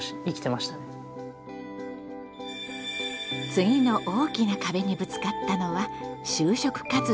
次の大きな壁にぶつかったのは就職活動の時。